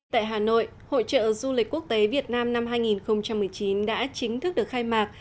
tại hà nội hội trợ du lịch quốc tế việt nam năm hai nghìn một mươi chín đã chính thức được khai mạc